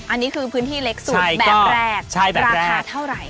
อันนี้คือพื้นที่เล็กสุดแบบแรกราคาเท่าไหร่